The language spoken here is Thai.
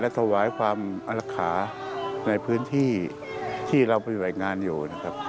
ถวายความอลรักษาในพื้นที่ที่เราปฏิบัติงานอยู่นะครับ